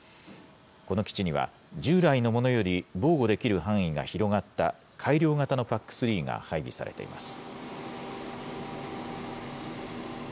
この基地には従来のものより防護できる範囲が広がった改良型のＰＡＣ３が配備されています。